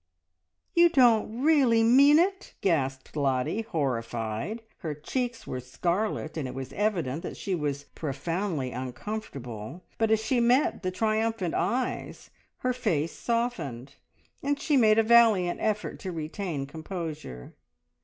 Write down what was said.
"You don't really mean it?" gasped Lottie, horrified. Her cheeks were scarlet, and it was evident that she was profoundly uncomfortable, but as she met the triumphant eyes her face softened, and she made a valiant effort to retain composure.